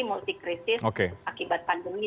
multi krisis akibat pandemi